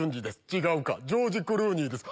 違うかジョージ・クルーニーです。